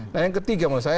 nah yang ketiga menurut saya